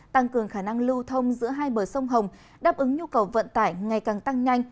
tăng cường khả năng lưu thông giữa hai bờ sông hồng đáp ứng nhu cầu vận tải ngày càng tăng nhanh